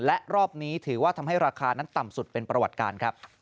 และรอบนี้ถือว่าทำให้ราคานั้นต่ำสุดเป็นประวัติการครับ